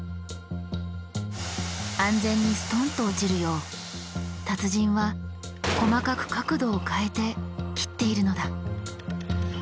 安全にストンと落ちるよう達人は細かく角度を変えて切っているのだ。